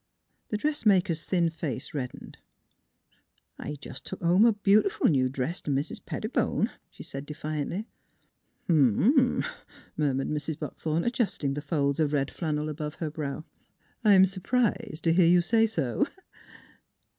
The dressmaker's thin face reddened. " I jes' took home a beautiful new dress t' Mis' Pettibone," she said defiantly. " H'm m," murmured Mrs. Buckthorn, adjust ing the folds of red flannel above her brow. " I'm sur prised t' hear you say so."